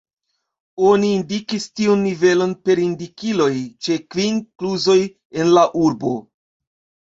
Oni indikis tiun nivelon per indikiloj ĉe kvin kluzoj en la urbo.